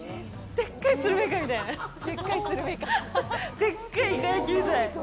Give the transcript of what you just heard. でっかいイカ焼きみたい。